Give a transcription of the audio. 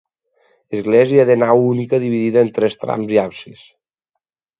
Església de nau única dividida en tres trams i absis.